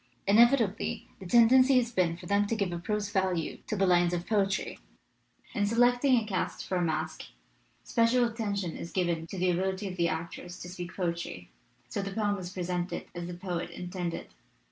Inevitably the tendency has been for them to give a prose value to the lines of poetry. In selecting a cast for a masque, special attention is given to the ability of the actors to speak poetry, so the poem is presented as the poet intended.